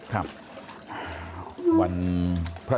ครับ